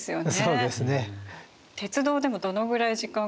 そうですね。